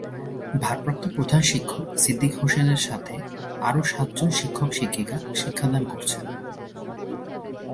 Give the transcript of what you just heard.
ভারপ্রাপ্ত প্রধান শিক্ষক সিদ্দিক হোসেনের সাথে আরো সাত জন শিক্ষক শিক্ষিকা শিক্ষাদান করছেন।